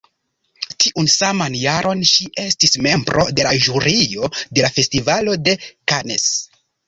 Tiun saman jaron ŝi estis membro de la Ĵurio de la Festivalo de Cannes.